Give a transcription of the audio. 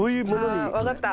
あ分かった。